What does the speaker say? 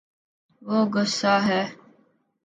وہ گصاہ ہے